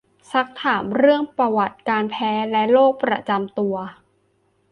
ซักถามเรื่องประวัติการแพ้และโรคประจำตัว